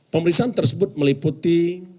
pemeriksaan tersebut meliputi